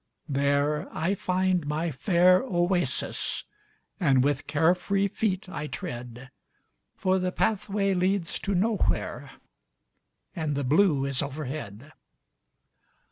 —There I find my fair oasis, And with care free feet I treadFor the pathway leads to Nowhere, And the blue is overhead!